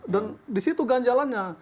dan di situ ganjalannya